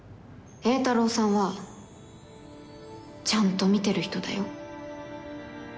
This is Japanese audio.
榮太郎さんはちゃんと見てる人だよ。